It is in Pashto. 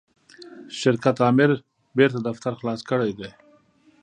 شرکت آمر بیرته دفتر خلاص کړی دی.